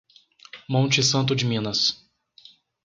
Monte Santo de Minas